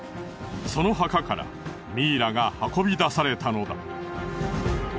その墓からミイラが運び出されたのだ。